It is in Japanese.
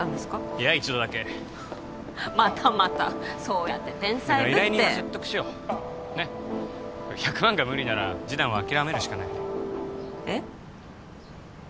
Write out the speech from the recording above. いや一度だけまたまたそうやって天才ぶって依頼人を説得しようねっ１００万が無理なら示談は諦めるしかないえっ？